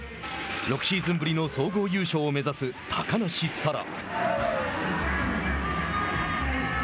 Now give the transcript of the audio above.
６シーズンぶりの総合優勝を目指す高梨沙羅。